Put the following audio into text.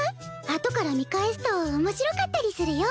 あとから見返すと面白かったりするよ。